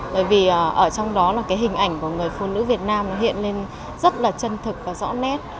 bởi vì ở trong đó là cái hình ảnh của người phụ nữ việt nam hiện lên rất là chân thực và rõ nét